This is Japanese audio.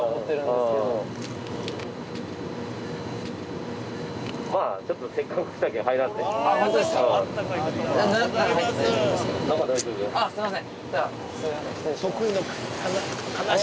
すいません